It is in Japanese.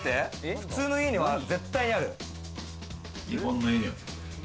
日本の家には絶対ある。